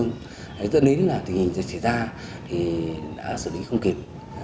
nên là tình hình dịch trở ra thì đã xử lý không kịp